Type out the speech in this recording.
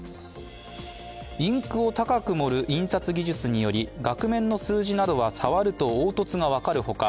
インクを高く盛る印刷技術により、額面の数字などは触ると凹凸が分かるほか